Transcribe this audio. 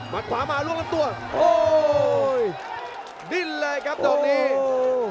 มัดขวามาร่วงลำตัว